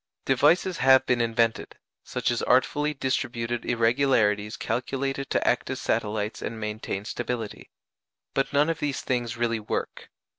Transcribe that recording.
Devices have been invented, such as artfully distributed irregularities calculated to act as satellites and maintain stability; but none of these things really work.